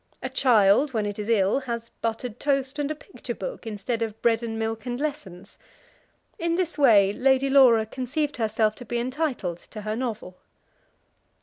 A child, when it is ill, has buttered toast and a picture book instead of bread and milk and lessons. In this way, Lady Laura conceived herself to be entitled to her novel.